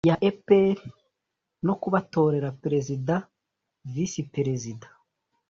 ya epr no kubatorera perezida visi perezida